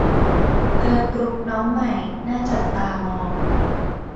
เกิร์ลกรุ๊ปน้องใหม่น่าจับตามอง